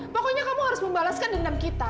pokoknya kamu harus membalaskan dengan kita